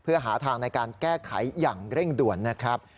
เพื่อหาทางในการแก้ไขอย่างเร่งด่วนนะครับ